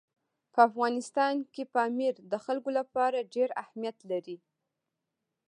په افغانستان کې پامیر د خلکو لپاره ډېر اهمیت لري.